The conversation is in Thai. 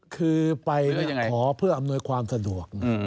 คือไปแล้วขอเพื่ออำนวยความสะดวก